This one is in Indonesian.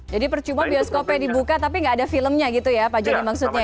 jadi percobaan bioskopnya dibuka tapi nggak ada filmnya gitu ya pak joni maksudnya ya